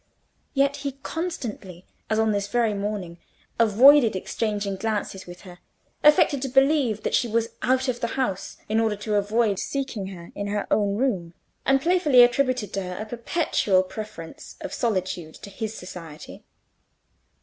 Yet he constantly, as on this very morning, avoided exchanging glances with her; affected to believe that she was out of the house, in order to avoid seeking her in her own room; and playfully attributed to her a perpetual preference of solitude to his society.